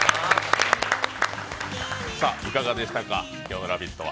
いかがでしたか、今日の「ラヴィット！」は？